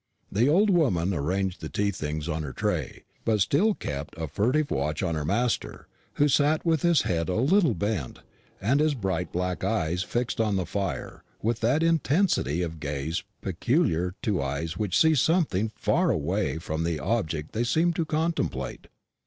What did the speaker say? The old woman arranged the tea things on her tray, but still kept a furtive watch on her master, who sat with his head a little bent, and his bright black eyes fixed on the fire with that intensity of gaze peculiar to eyes which see something far away from the object they seem to contemplate.